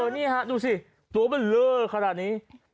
นี่ฮะดูสิตัวมันเล่อขนาดนี้